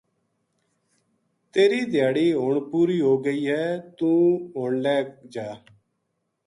تیری دھیاڑی ہن پوری ہو گئی ہے توہ ہن لہہ جا